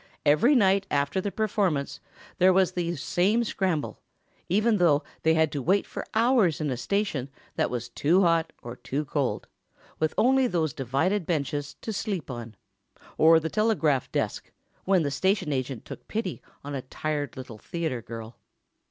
Every night after the performance there was the same scramble, even though they had to wait for hours in a station that was too hot or too cold, with only those divided benches to sleep on, or the telegraph desk, when the station agent took pity on a tired little theatre girl.